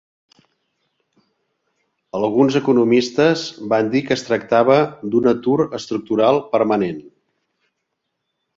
Alguns economistes van dir que es tractava d'un atur estructural permanent.